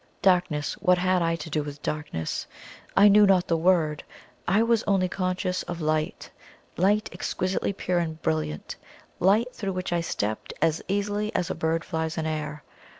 Darkness? What had I to do with darkness? I knew not the word I was only conscious of light light exquisitely pure and brilliant light through which I stepped as easily as a bird flies in air.